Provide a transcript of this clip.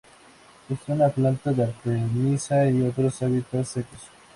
Es una planta de artemisa y otros hábitat secos.